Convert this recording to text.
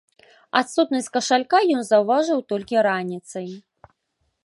Адсутнасць кашалька ён заўважыў толькі раніцай.